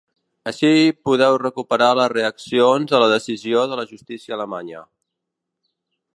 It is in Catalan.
Ací podeu recuperar les reaccions a la decisió de la justícia alemanya.